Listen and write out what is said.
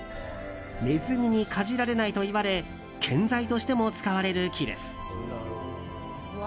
ネズミにかじられないといわれ建材としても使われる木です。